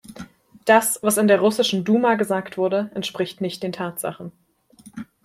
Das, was in der russischen Duma gesagt wurde, entspricht nicht den Tatsachen.